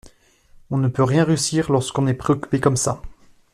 On ne peut rien réussir lorsque l’on est préoccupé comme ça.